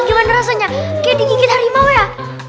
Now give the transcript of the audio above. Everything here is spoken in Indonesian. gimana rasanya kayak digigit harimau ya